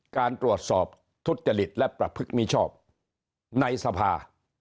การตรวจสอบทุจริตและประพฤติมิชอบในสภา